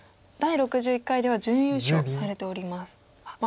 第６１回では準優勝されております。